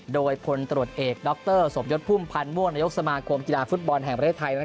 โดยพลตรวจเอกดรสมยศพุ่มพันธ์ม่วงนายกสมาคมกีฬาฟุตบอลแห่งประเทศไทย